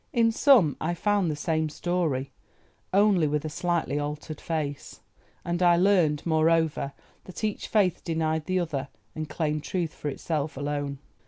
In some I found the same story, only with a slightly altered face, and I learned, moreover, that each faith denied the other, and claimed truth for itself alone.